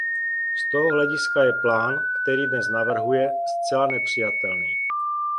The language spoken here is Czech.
Z tohoto hlediska je plán, který dnes navrhuje, zcela nepřijatelný.